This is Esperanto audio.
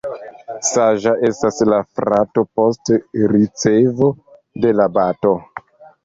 Saĝa estas la frato post ricevo de la bato.